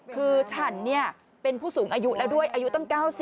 คือฉันเป็นผู้สูงอายุแล้วด้วยอายุตั้ง๙๐